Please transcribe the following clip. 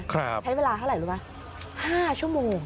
ใช้เวลาเท่าไหร่รู้ไหม๕ชั่วโมง